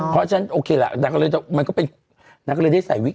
เพราะฉันที่โอเคละนางก็เลยได้ใส่วิก